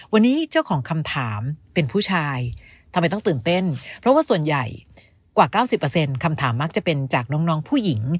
วันนี้เจ้าของคำถามเป็นผู้ชายทำไมต้องตื่นเต้นเพราะว่าส่วนใหญ่กว่า๙๐คำถามมักจะเป็นจากน้องผู้หญิง